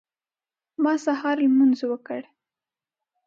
ما سهار لمونځ وکړ.